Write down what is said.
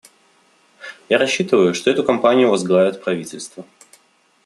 Я рассчитываю, что эту кампанию возглавят правительства.